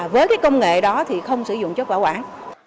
với cái công nghệ đó thì không sử dụng chất bảo quản